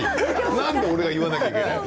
なんで俺が言わなきゃいけないの。